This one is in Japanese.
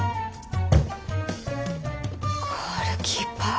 ゴールキーパー。